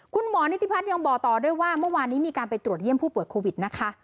คุณหมอนิติพัฒน์ยังบอกต่อด้วยว่าเมื่อวานนี้มีการไปตรวจเยี่ยมผู้ป่วยโควิดนะคะ